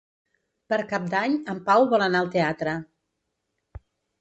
Per Cap d'Any en Pau vol anar al teatre.